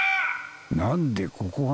何でここが？